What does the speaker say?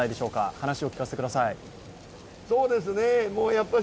話を聞かせてください。